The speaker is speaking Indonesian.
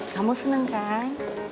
kamu seneng kan